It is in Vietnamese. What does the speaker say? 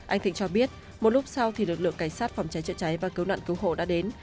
anh thịnh cho biết một lúc sau thì lực lượng cảnh sát phòng cháy chữa cháy và cứu nạn cứu hộ đã đến